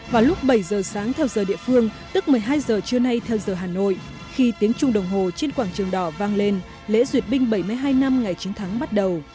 vào lúc bảy giờ sáng theo giờ địa phương tức một mươi hai giờ trưa nay theo giờ hà nội khi tiếng trung đồng hồ trên quảng trường đỏ vang lên lễ duyệt binh bảy mươi hai năm ngày chiến thắng bắt đầu